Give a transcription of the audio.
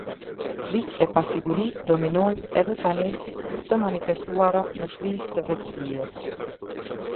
Frikë e pasiguri dominojnë edhe tani të manifestuara me krizë të vetëdijes.